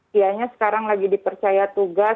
kianya sekarang lagi dipercaya tugas